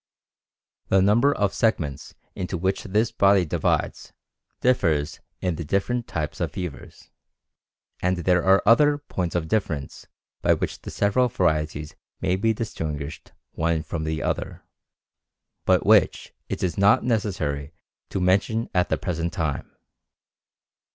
The number of segments into which this body divides differs in the different types of fever, and there are other points of difference by which the several varieties may be distinguished one from the other, but which it is not necessary to mention at the present time.